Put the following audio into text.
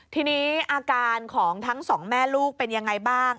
ทีนี้อาการของทั้งสองแม่ลูกเป็นยังไงบ้าง